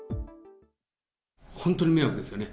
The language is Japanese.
本当に迷惑ですよね。